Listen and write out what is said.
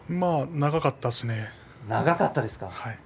長かったですか。